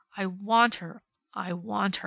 I want her. I want her!"